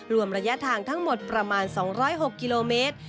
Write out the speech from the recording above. รวมระยะทางทั้งหมดประมาณ๒๐๖กิโลเมตร